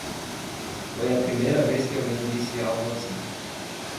Foi a primeira vez que alguém disse algo assim.